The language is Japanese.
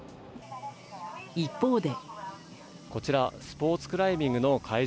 一方で。